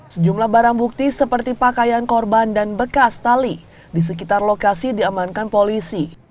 sejumlah barang bukti seperti pakaian korban dan bekas tali di sekitar lokasi diamankan polisi